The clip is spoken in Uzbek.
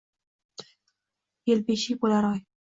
yelbeshik boʼlar oy.